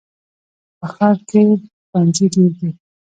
په ښار کې ښوونځي ډېر دي.